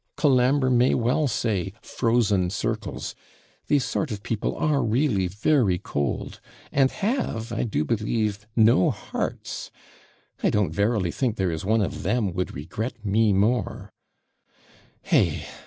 Colambre may well say FROZEN CIRCLES these sort of people are really very cold, and have, I do believe, no hearts. I don't verily think there is one of them would regret me more Hey!